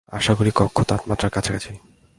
আশা করি, কক্ষ তাপমাত্রার কাছাকাছি।